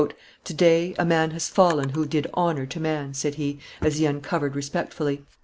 "Today a man has fallen who did honor to man," said he, as he uncovered respectfully.